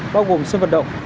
bao gồm sân vận động